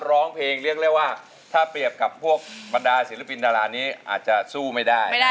ร้องเพลงเรียกได้ว่าถ้าเปรียบกับพวกบรรดาศิลปินดารานี้อาจจะสู้ไม่ได้